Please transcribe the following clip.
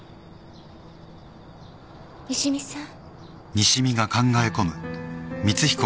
西見さん。